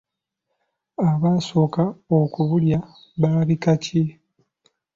Abaasooka okubulya ba bika ki?